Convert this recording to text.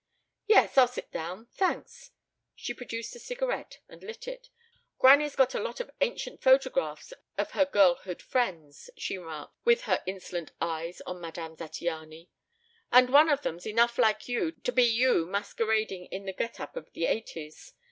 "Yes, I'll sit down. Thanks." She produced a cigarette and lit it. "Granny's got a lot of ancient photographs of her girlhood friends," she remarked with her insolent eyes on Madame Zattiany, "and one of them's enough like you to be you masquerading in the get up of the eighties.